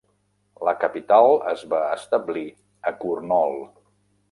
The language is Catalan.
La capital es va establir a Kurnool.